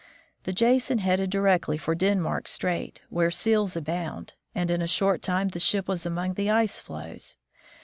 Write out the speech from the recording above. The Jasoji headed directly for Denmark strait, where seals abound, and in a short time the ship was among the ice floes.